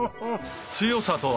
強さとは？